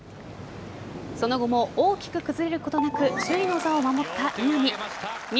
その後も大きく崩れることなく首位の座を守った稲見。